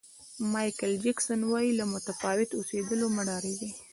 مایکل جکسن وایي له متفاوت اوسېدلو مه ډارېږئ.